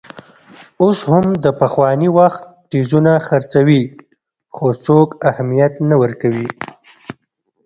اوس هم د پخواني وخت ټیزونه خرڅوي، خو څوک اهمیت نه ورکوي.